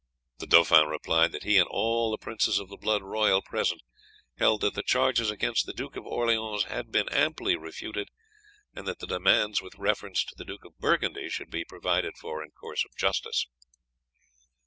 The dauphin replied that he and all the princes of blood royal present held that the charges against the Duke of Orleans had been amply refuted, and that the demands with reference to the Duke of Burgundy should be provided for in course of justice.